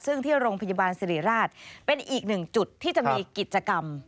ซึ่งที่โรงพยาบาลสิริราชเป็นอีกหนึ่งจุดที่จะมีกิจกรรม